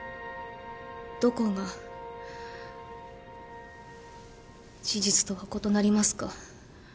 どこが事実とは異なりますか？